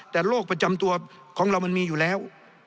แต่โรคประจำตัวของเรามันมีอยู่แล้ว